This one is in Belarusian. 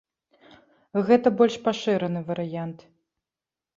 Гэта больш пашыраны варыянт.